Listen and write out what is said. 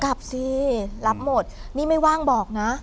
กลับสิรับหมดนี่ไม่ว่างบอกนะ